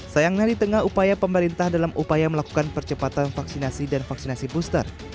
sayangnya di tengah upaya pemerintah dalam upaya melakukan percepatan vaksinasi dan vaksinasi booster